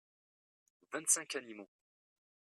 vingt cinq animaux.